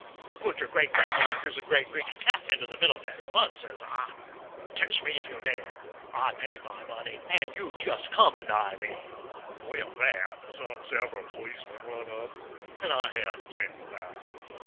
"Put your great grandmother's grizzly gray greenish cat into the middle of next month!" I says. "Tech me if you dare! I paid my money, and you jest come anigh me!" With that some several policemen run up, and I had to simmer down.